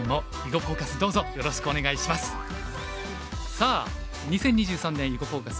さあ２０２３年「囲碁フォーカス」